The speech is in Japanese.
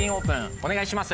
お願いします。